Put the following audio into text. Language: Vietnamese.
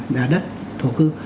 nhà đất thổ cư